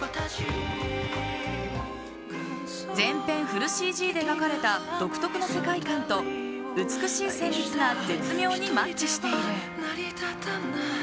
全編フルＣＧで描かれた独特の世界観と美しい旋律が絶妙にマッチしている。